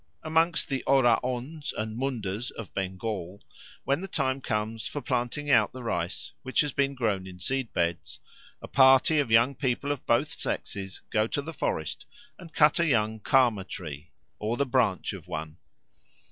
Amongst the Oraons and Mundas of Bengal, when the time comes for planting out the rice which has been grown in seed beds, a party of young people of both sexes go to the forest and cut a young Karma tree, or the branch of one.